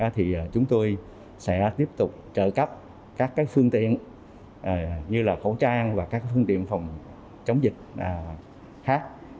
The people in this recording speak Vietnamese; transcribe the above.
thì chúng tôi sẽ tiếp tục trợ cấp các phương tiện như là khẩu trang và các phương tiện phòng chống dịch khác